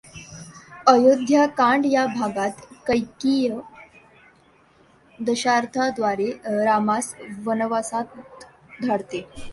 अयोध्या कांड या भागात कैकेयी दशरथाद्वारे रामास वनवासात धाडते.